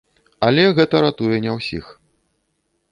Але гэта ратуе не ўсіх.